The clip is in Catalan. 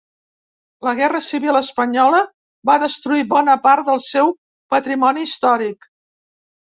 La guerra civil espanyola va destruir bona part del seu patrimoni històric.